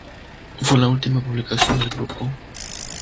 Fue la última publicación del grupo.